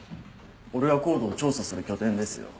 俺がＣＯＤＥを調査する拠点ですよ。